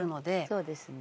そうですね。